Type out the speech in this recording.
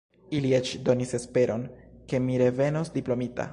Ili eĉ donis esperon, ke mi revenos diplomita.